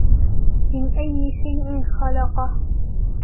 من أي شيء خلقه